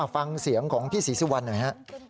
ฟังเสียงของพี่ศรีสิวัลหน่อย